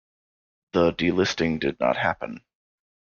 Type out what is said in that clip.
The delisting did not happen.